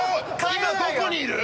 今どこにいる？